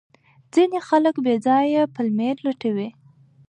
ځینې خلک بې ځایه پلمې لټوي.